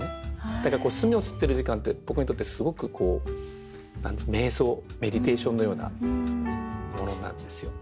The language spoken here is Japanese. だから墨をすってる時間って僕にとってすごくこうめい想メディテーションのようなものなんですよ。